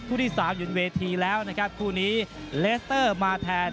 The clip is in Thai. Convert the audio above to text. คู่ที่สามอยู่ในเวทีแล้วนะครับคู่นี้มาแทน